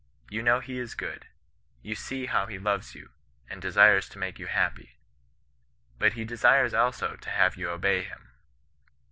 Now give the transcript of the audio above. You know he is good ; you see how he loves you, and desires to make you happy ; but he desires also to have you obey him.'